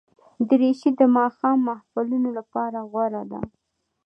دریشي د ماښام محفلونو لپاره غوره ده.